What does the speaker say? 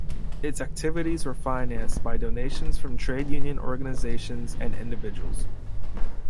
Its activities were financed by donations from trade union organizations and individuals.